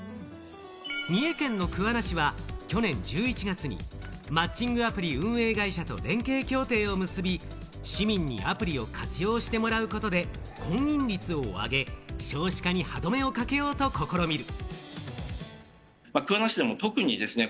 三重県の桑名市は去年１１月にマッチングアプリ運営会社と連携協定を結び、市民にアプリを活用してもらうことで、婚姻率を上げ、少子化に歯止めをかけようと試みる。